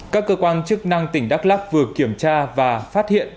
các cơ quan chức năng tỉnh đắk lắc vừa kiểm tra và phát hiện